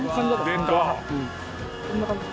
こんな感じ